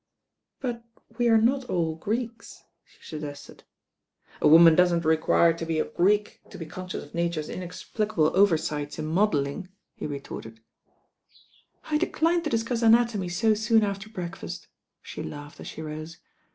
"But we are not all Greeks," she suggested. "A woman doesn't require to be a Greek to be conscious of Nature's inexplicable oversights in modelling," he retorted. r \: i \ 1 186 THE RAiy GIRL "I decline to discuss anatomy so soon after break fast," she laughed as she rose.